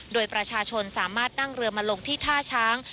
โดยประชาชนสามารถนั่งเรือมาลงที่ท่าช้าง